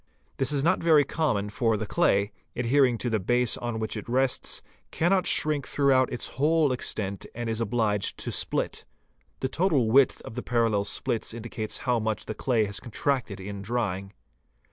This is 'not very common for the clay, adhering to the base on which it rests, cannot shrink throughout its whole extent and is obliged to split. The total width of the parallel splits indicates how much the clay has con tracted in drying.